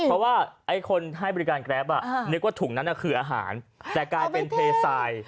เพราะว่าไอ้คนให้บริการแกรปนึกว่าถุงนั้นคืออาหารแต่กลายเป็นเททราย